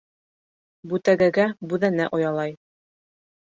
Бүтәгәгә бүҙәнә оялай.